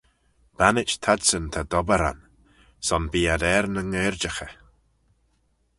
Bannit t'adsyn ta dobberan: son bee ad er nyn gherjaghey.